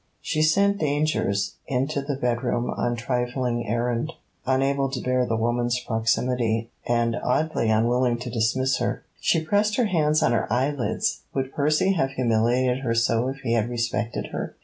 She sent Dangers into the bedroom on a trifling errand, unable to bear the woman's proximity, and oddly unwilling to dismiss her. She pressed her hands on her eyelids. Would Percy have humiliated her so if he had respected her?